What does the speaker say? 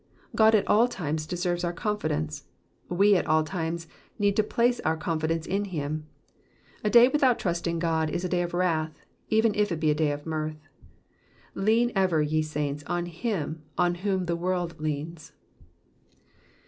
Grod at all times deserves our confidence. We at all times need to place our confidence in him. A day without trust in God is a day of wrath, even if it be a day of mirth. Lean ever, ye saints, on him, on whom the world leans.